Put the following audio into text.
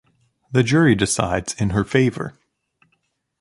The jury decides in her favor.